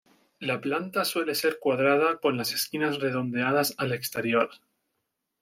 La planta suele ser cuadrada con las esquinas redondeadas al exterior.